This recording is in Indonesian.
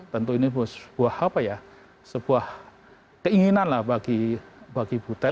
tentu ini sebuah keinginan lah bagi bu ted